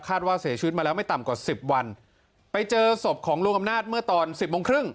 ว่าเสียชีวิตมาแล้วไม่ต่ำกว่าสิบวันไปเจอศพของลุงอำนาจเมื่อตอนสิบโมงครึ่ง